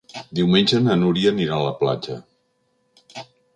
Diumenge na Núria anirà a la platja.